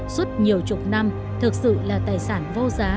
suốt nhiều chục năm thực sự là tài sản vô giá